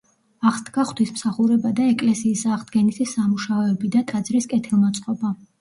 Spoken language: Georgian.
აღსდგა ღვთისმსახურება და ეკლესიის აღდგენითი სამუშაოები და ტაძრის კეთილმოწყობა.